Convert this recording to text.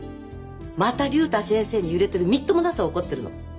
また竜太先生に揺れてるみっともなさを怒ってるの！